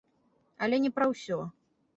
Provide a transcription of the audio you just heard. Але не пра ўсе.